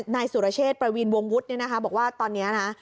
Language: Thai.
นายสุรเชษประวีนวงวุฒิบอกว่าตอนนี้นะ